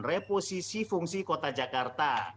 reposisi fungsi kota jakarta